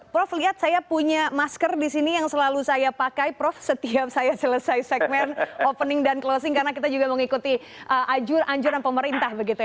prof lihat saya punya masker disini yang selalu saya pakai setiap saya selesai segmen opening dan closing karena kita juga mengikuti anjuran pemerintah